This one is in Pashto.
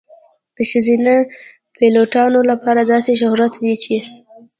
د ښځینه پیلوټانو لپاره داسې شهرت وي چې .